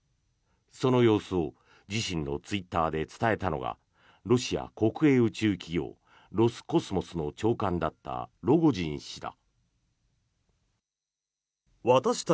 その様子を自身のツイッターで伝えたのがロシア国営宇宙企業ロスコスモスの長官だったロゴジン氏だ。